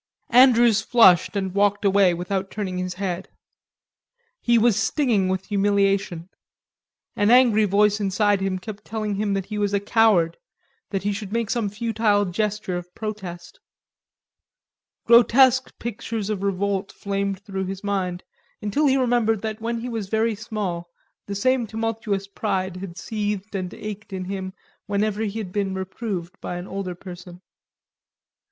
Andrews flushed and walked away without turning his head. He was stinging with humiliation; an angry voice inside him kept telling him that he was a coward, that he should make some futile gesture of protest. Grotesque pictures of revolt flamed through his mind, until he remembered that when he was very small, the same tumultuous pride had seethed and ached in him whenever he had been reproved by an older person.